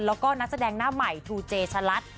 แล้วก็นักแสดงหน้าใหม่ทูเจชะลัด